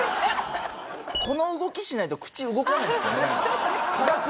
この動きしないと口動かないんですかね？